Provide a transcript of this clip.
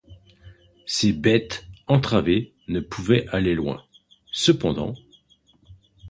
Ces bêtes entravées ne pouvaient aller loin cependant.